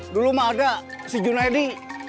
dulu mah ada si junaidi